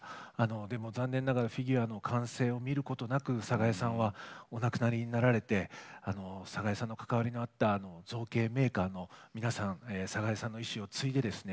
でも残念ながらフィギュアの完成を見ることなく寒河江さんはお亡くなりになられて寒河江さんと関わりのあった造形メーカーの皆さん寒河江さんの遺志を継いでですね